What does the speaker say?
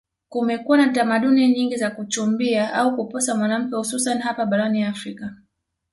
kumekuwa na tamaduni nyingi za kuchumbia au kuposa mwanamke hususani hapa barani afrika